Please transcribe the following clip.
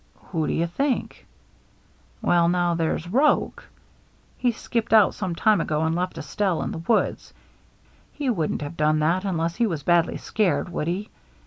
"Who do you think?" "Well, now, there's Roche. He skipped out some time ago and left Estelle in the woods. He wouldn't have done that unless he was badly scared, would he?